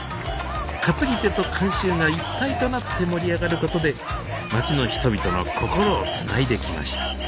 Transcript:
担ぎ手と観衆が一体となって盛り上がることで町の人々の心をつないできました